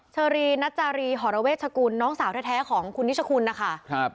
เชอรีนัจจารีหรเวชกุลน้องสาวแท้ของคุณนิชคุณนะคะ